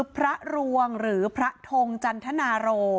พระรวงหรือพระทงจันทนาโร